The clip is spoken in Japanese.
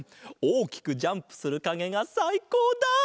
おおきくジャンプするかげがさいこうだ！